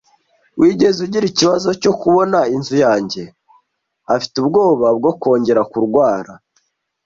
Wigeze ugira ikibazo cyo kubona inzu yanjye? Afite ubwoba bwo kongera kurwara.